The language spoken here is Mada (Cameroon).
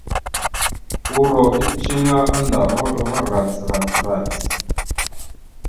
Uuro eceŋé annda a hoɗ va rac rac rac.